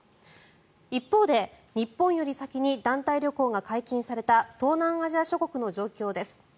一方で、日本より先に団体旅行が解禁された東南アジア諸国の状況です。